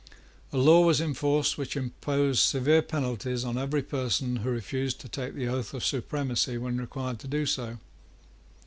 A law was in force which imposed severe penalties on every person who refused to take the oath of supremacy when required to do so.